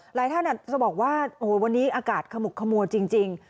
หลายท่านอาจจะบอกว่าโอ้โหวันนี้อากาศขมุกขมัวจริง